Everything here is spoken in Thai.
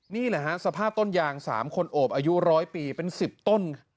นี่แหละฮะสภาพต้นยาง๓คนโอบอายุ๑๐๐ปีเป็น๑๐ต้น